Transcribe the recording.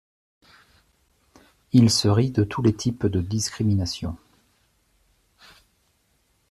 Il se rit de tous les types de discrimination.